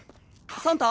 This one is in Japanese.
サンタ？